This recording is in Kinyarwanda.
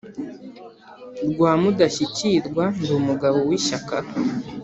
Rwa Mudashyikirwa ndi umugabo w'ishyaka